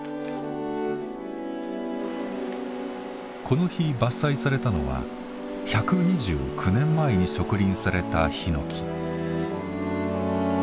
この日伐採されたのは１２９年前に植林されたひのき。